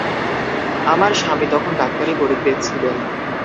আমার স্বামী তখন ডাক্তারি পড়িতেছিলেন।